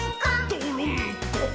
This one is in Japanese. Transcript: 「どろんこ！」